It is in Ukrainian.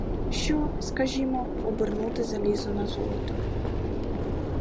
Що, скажімо, обернути залізо на золото.